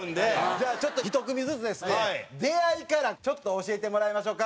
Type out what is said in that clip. じゃあちょっと１組ずつですね出会いからちょっと教えてもらいましょうか。